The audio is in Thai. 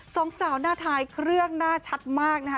สองสาวหน้าทายเครื่องหน้าชัดมากนะคะ